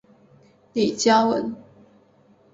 李嘉文。